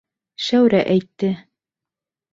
Шәүрә әйтте.